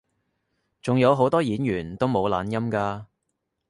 仲有好多演員都冇懶音㗎